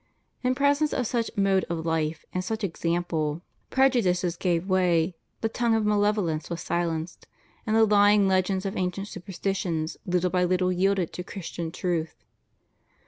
In presence of such mode of life and such example^ 1/ 246 CONDITION OF THE WORKING CLASSES. prejudice gave way, the tongue of malevolence was silenced, and the lying legends of ancient superstition little by little yielded to Christian truth.